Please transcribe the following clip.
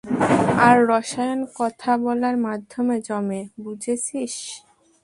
আর রসায়ন কথা বলার মাধ্যমে জমে, বুঝেছিস?